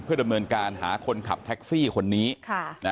ดำเนินการหาคนขับแท็กซี่คนนี้